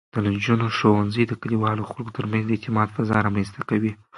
د نجونو ښوونځی د کلیوالو خلکو ترمنځ د اعتماد فضا رامینځته کوي.